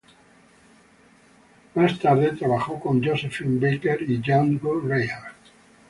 Más tarde trabajó con Josephine Baker y Django Reinhardt.